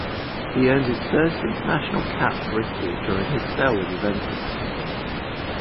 He earned his first international cap for Italy during his spell with Juventus.